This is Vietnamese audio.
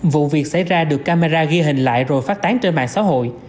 vụ việc xảy ra được camera ghi hình lại rồi phát tán trên mạng xã hội